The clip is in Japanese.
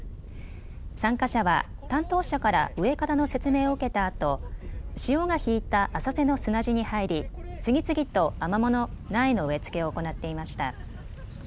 参加者は担当者から植え方の説明を受けたあと潮が引いた浅瀬の砂地に入り次々とアマモの苗の植え付けを行っていました。